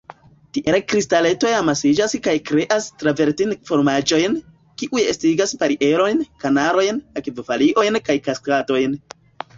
Tiel kristaletoj amasiĝas kaj kreas travertin-formaĵojn, kiuj estigas barierojn, kanalojn, akvofalojn kaj kaskadojn.